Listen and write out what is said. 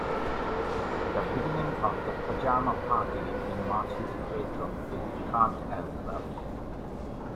The beginning of the pajama party in Marty's bedroom is cut as well.